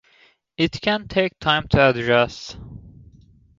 It can take time to adjust.